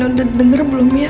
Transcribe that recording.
nino udah dengar belum ya